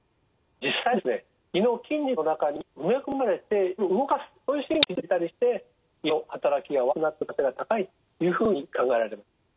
実際に胃の筋肉の中に埋め込まれて胃を動かすそういう神経が傷ついていたりして胃のはたらきが悪くなっている可能性が高いというふうに考えられます。